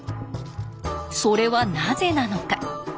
それはなぜなのか？